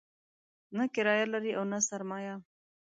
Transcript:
نه کرايه لري او نه سرمایه.